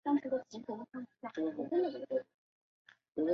那辆列车正好乘坐着在下班路上的刑警木场修太郎。